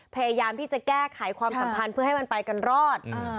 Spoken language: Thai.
พยายามที่จะแก้ไขความสัมพันธ์เพื่อให้มันไปกันรอด